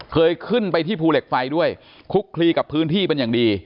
เคยขึ้นไปที่ภูเหล็กไฟด้วยคุกคลีกับพื้นที่เป็นอย่างดี